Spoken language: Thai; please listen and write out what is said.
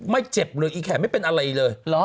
ไม่เจ็บเลยอีแขนไม่เป็นอะไรเลย